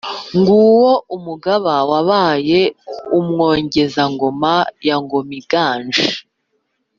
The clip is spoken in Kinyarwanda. nguwo umugaba wabaye umwogezangoma ya ngomiganje.